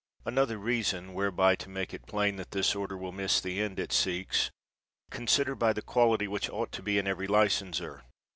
Another reason, whereby to make it plain that this order will miss the end it seeks, consider by the quality which ought to be in every licenser.